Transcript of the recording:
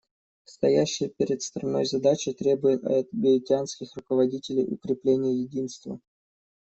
Стоящие перед страной задачи требуют от гаитянских руководителей укрепления единства.